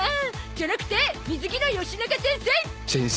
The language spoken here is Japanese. じゃなくて水着のよしなが先生！